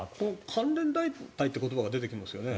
関連団体という言葉が出てきますよね。